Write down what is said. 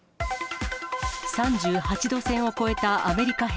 ３８度線を越えたアメリカ兵。